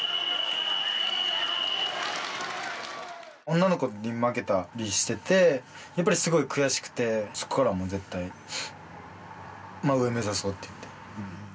女の子に負けたりしてて、やっぱりすごい悔しくて、そこからはもう絶対に上を目指そうっていって。